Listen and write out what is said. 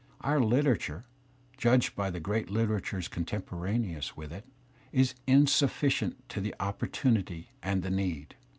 Our literature, ' judged by the great literatures contemporaneous with it, ' is insufficient to the opportunity and the need.